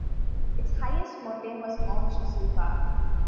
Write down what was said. Its highest mountain was Mount Shisuka.